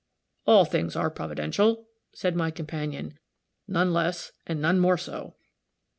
"All things are Providential," said my companion, "none less, and none more so.